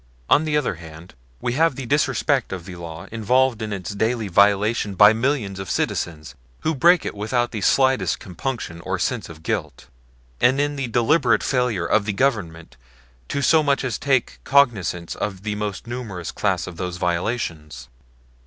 On the other hand we have the disrespect of the law involved in its daily violation by millions of citizens who break it without the slightest compunction or sense of guilt, and in the deliberate failure of the Government to so much as take cognizance of the most numerous class of those violations.